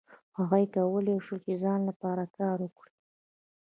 هغوی کولای شول چې د ځان لپاره کار وکړي.